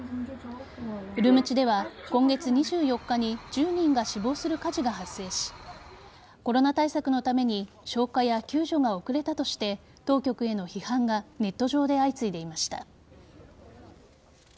ウルムチでは今月２４日に１０人が死亡する火事が発生しコロナ対策のために消火や救助が遅れたとして当局への批判がネット上で相次いでいました。